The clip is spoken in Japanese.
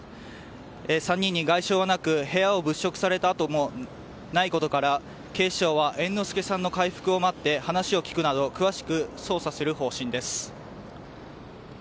３人に外傷はなく、部屋を物色された跡もないことから警視庁は猿之助さんの回復を待って話を聞くなど詳しく捜査する方針です。